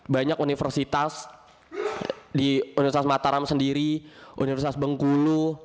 banyak universitas di universitas mataram sendiri universitas bengkulu